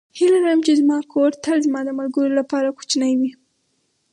هیله لرم چې زما کور تل زما د ملګرو لپاره کوچنی وي.